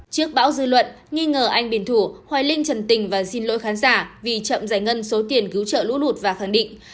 trước bão dư luận nghi ngờ anh biển thủ hoài linh trần tình và xin lỗi khán giả vì chậm giải ngân số tiền cứu trợ lũ lụt và khẳng định